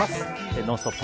「ノンストップ！」